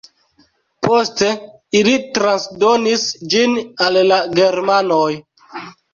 Poste ili transdonis ĝin al la germanoj.